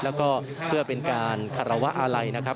และก็มีการกินยาละลายริ่มเลือดแล้วก็ยาละลายขายมันมาเลยตลอดครับ